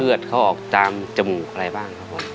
เลือดเขาออกตามจมูกอะไรบ้างครับผม